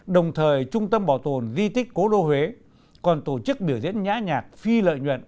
đồng thời trung tâm bảo tồn di tích cố đô huế còn tổ chức biểu diễn nhã nhạc phi lợi nhuận